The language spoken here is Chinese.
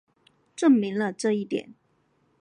证明了这一点。